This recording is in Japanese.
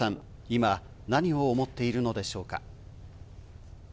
今、何を思っているのでしょうか。